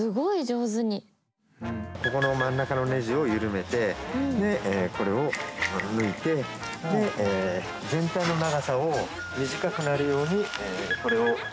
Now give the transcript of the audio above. ここの真ん中のネジを緩めてこれを抜いて全体の長さを短くなるようにこれを内側に回して。